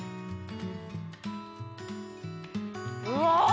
うわ！